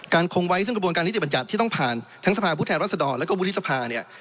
คงไว้ซึ่งกระบวนการนิติบัญญัติที่ต้องผ่านทั้งสภาผู้แทนรัศดรแล้วก็วุฒิสภาเนี่ย